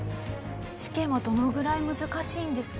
試験はどのぐらい難しいんですか？